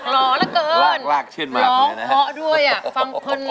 รอแล้วเกินรักของคุณ